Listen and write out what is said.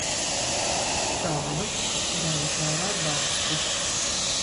Tādu, kurai visvairāk balstu.